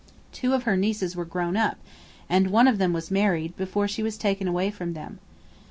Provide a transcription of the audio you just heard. Two of her nieces were grown up, and one of them was married, before she was taken away from them.